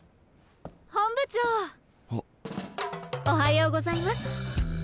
おはようございます。